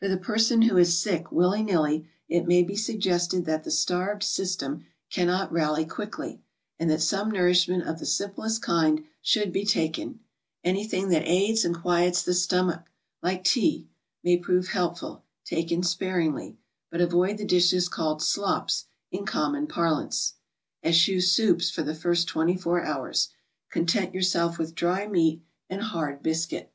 For the person who is sick willy nilly, it may be sug gested that the starved system cannot rally quickly, and that some nourishment of the simplest kind should be taken; anything that aids and quiets the stomach, like tea, may prove helpful, taken sparingly, but avoid the dishes called ''slops" in common parlance. Eschew soups for the first '^^enty four hours; content vourself with dry meat and 44 GOING ABROAD? hard biscuit.